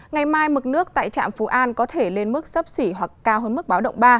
ngày mai mực nước tại trạm phú an có thể lên mức sấp xỉ hoặc cao hơn mức báo động ba